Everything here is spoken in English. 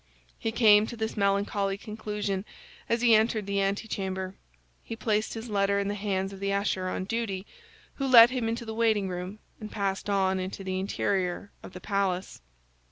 He came to this melancholy conclusion as he entered the antechamber. He placed his letter in the hands of the usher on duty, who led him into the waiting room and passed on into the interior of the palace.